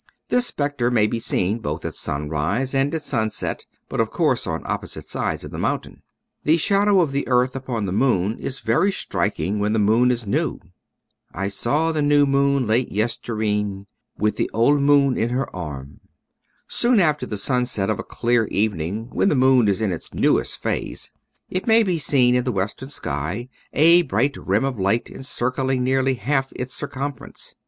This specter may be seen both at sunrise and at sunset, but of course on opposite sides of the mountain. The shadow of the earth upon the moon is very striking when the moon is new. " I saw the new moon late yestreon, Wi' tho auld moon in her arm." • Soon after the sunset of a clear evening when the moon is in its newest phase, it may be seen in the western sky, a bright rim of light encircling nearly half its circumference.